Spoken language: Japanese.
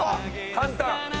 簡単。